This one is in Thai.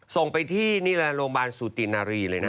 ส่งไปที่โรงพยาบาลสุตินารีเลยนะ